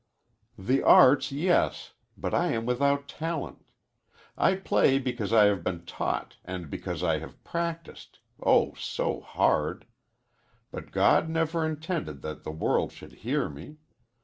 "The arts, yes, but I am without talent. I play because I have been taught, and because I have practiced oh, so hard! But God never intended that the world should hear me.